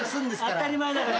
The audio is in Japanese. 当たり前だから。